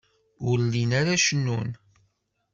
Ur llin ara cennun.